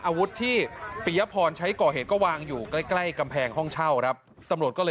อาวุธที่ปียพรใช้ก่อเหตุก็วางอยู่ใกล้ใกล้กำแพงห้องเช่าครับตำรวจก็เลย